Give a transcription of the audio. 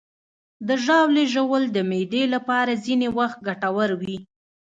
د ژاولې ژوول د معدې لپاره ځینې وخت ګټور وي.